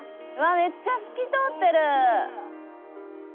めっちゃ透き通ってる。